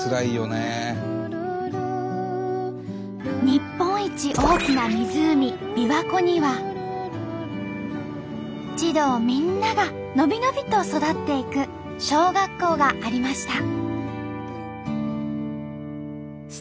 日本一大きな湖びわ湖には児童みんながのびのびと育っていく小学校がありました。